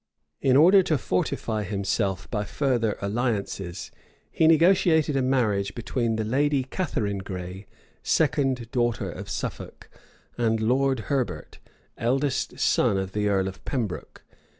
In order to fortify himself by further alliances, he negotiated a marriage between the lady Catharine Gray, second daughter of Suffolk, and Lord Herbert, eldest son of the earl of Pembroke.